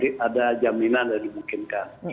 itu kan ada jaminan yang dimungkinkan